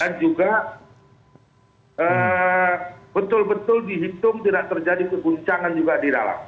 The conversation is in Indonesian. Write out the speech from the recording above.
dan juga betul betul dihitung tidak terjadi kebuncangan juga di dalam